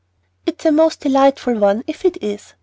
"It's a most delightful one if it is.